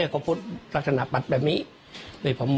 ก็เลยขับรถไปมอบตัว